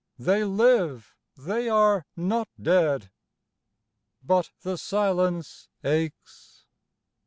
They live : they are not dead. But the silence aches.